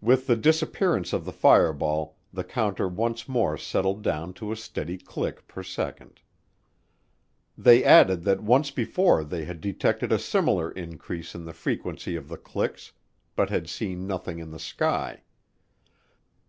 With the disappearance of the fireball, the counter once more settled down to a steady click per second. They added that once before they had detected a similar increase in the frequency of the clicks but had seen nothing in the sky.